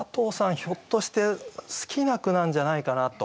ひょっとして好きな句なんじゃないかなと。